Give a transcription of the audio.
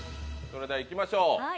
それではいきましょう。